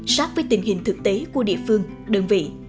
sát với tình hình thực tế của địa phương đơn vị